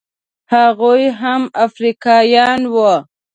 هغوی هم افریقایان وو.